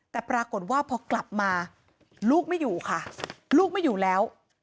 แต่ปรากฏว่าพอกลับมาลูกไม่อยู่ค่ะลูกไม่อยู่แล้ว